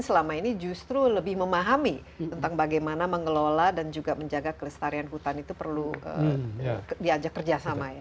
selama ini justru lebih memahami tentang bagaimana mengelola dan juga menjaga kelestarian hutan itu perlu diajak kerjasama ya